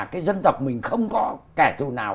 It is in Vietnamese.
cái dân tộc mình không có kẻ thù nào